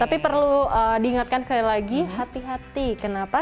tapi perlu diingatkan sekali lagi hati hati kenapa